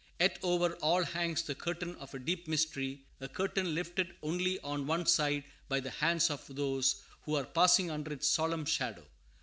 Yet over all hangs the curtain of a deep mystery, a curtain lifted only on one side by the hands of those who are passing under its solemn shadow.